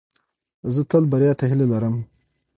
زه تل بریا ته هیله لرم.